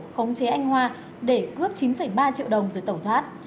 khống chế anh hoa để cướp chín ba triệu đồng rồi tẩu thoát